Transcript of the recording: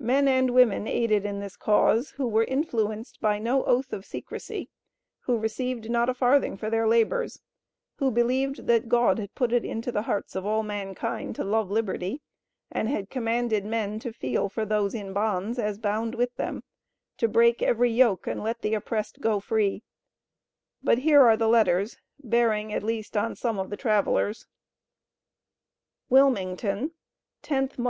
Men and women aided in this cause who were influenced by no oath of secresy, who received not a farthing for their labors, who believed that God had put it into the hearts of all mankind to love liberty, and had commanded men to "feel for those in bonds as bound with them," "to break every yoke and let the oppressed go free." But here are the letters, bearing at least on some of the travelers: WILMINGTON, 10th Mo.